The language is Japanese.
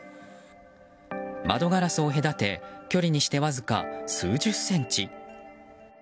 窓ガラスを隔て距離にして、わずか数十センチ。